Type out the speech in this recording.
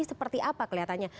seperti apa kelihatannya